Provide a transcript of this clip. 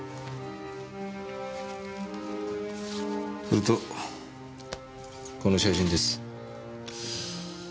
それとこの写真です。